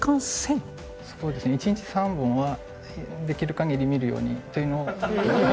そうですね１日３本はできる限り見るようにというのを。ええっ！？